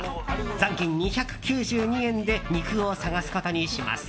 残金２９２円で肉を探すことにします。